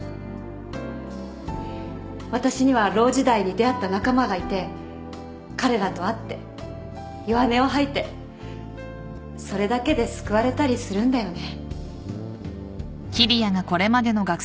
私にはロー時代に出会った仲間がいて彼らと会って弱音を吐いてそれだけで救われたりするんだよね。